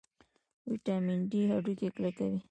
ویټامین ډي هډوکي کلکوي